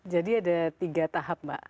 jadi ada tiga tahap mbak